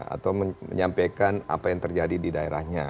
atau menyampaikan apa yang terjadi di daerahnya